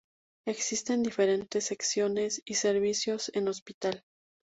Existen diferentes secciones y servicios en el Hospital.